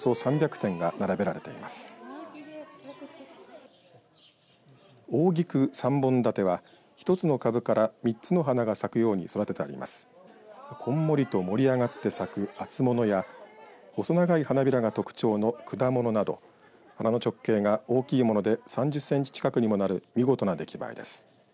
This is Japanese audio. こんもりと盛り上がって咲く厚物や細長い花びらが特徴の管物など花の直径が大きいもので３０センチ近くにもなる見事なできばえです。